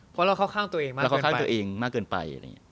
เพราะเราเข้าข้างตัวเองมากเกินไป